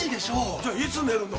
じゃあいつ寝るの？